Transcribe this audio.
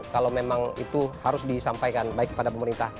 kalau memang itu harus disampaikan baik kepada pemerintah